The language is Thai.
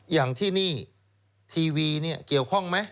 อย่างที่นี่ทีวีเนี่ยเกี่ยวข้องไหม